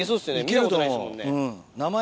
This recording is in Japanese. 見たことないですもんね。